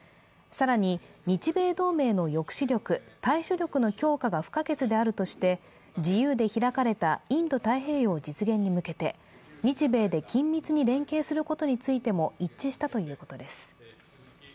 更に、日米同盟の抑止力・対処力の強化が不可欠であるとして自由で開かれたインド太平洋実現に向けて日米で緊密に連携することについても一致したということです。